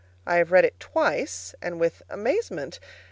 I have read it twice, and with amazement.